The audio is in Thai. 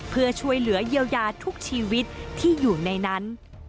เพื่อช่วยเหลือเยียวยาทุกชีวิตที่อยู่ในนั้น